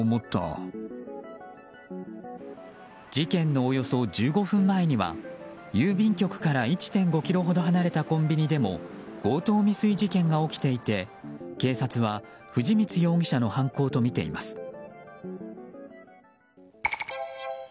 事件のおよそ１５分前には郵便局から１．５ｋｍほど離れたコンビニでも強盗未遂事件が起きていて警察は藤光容疑者の犯行とみています。